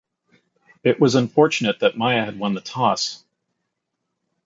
It was unfortunate that Miah had won the toss.